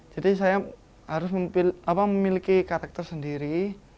jadi saya harus memiliki karakter sendiri